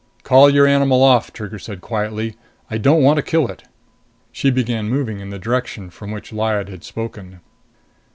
"Call your animal off," Trigger said quietly. "I don't want to kill it." She began moving in the direction from which Lyad had spoken.